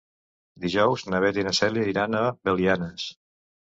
Dijous na Beth i na Cèlia iran a Belianes.